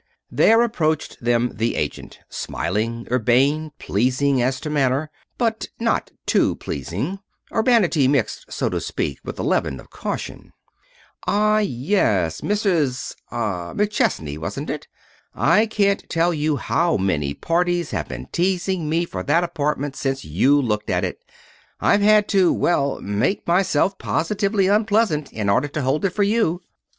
There approached them the agent, smiling, urbane, pleasing as to manner but not too pleasing; urbanity mixed, so to speak, with the leaven of caution. "Ah, yes! Mrs. er McChesney, wasn't it? I can't tell you how many parties have been teasing me for that apartment since you looked at it. I've had to well make myself positively unpleasant in order to hold it for you.